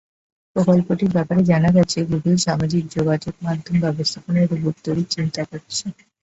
প্রকল্পটির ব্যাপারে জানা গেছে, গুগল সামাজিক যোগাযোগমাধ্যম ব্যবস্থাপনায় রোবট তৈরির চিন্তা করছে।